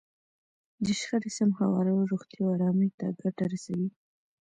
د شخړې سم هوارول روغتیا او ارامۍ ته ګټه رسوي.